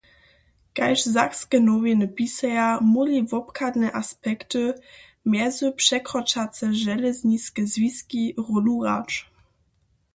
Kaž Sakske Nowiny pisaja, móhli wobchadne aspekty – mjezu překročace železniske zwiski – rólu hrać.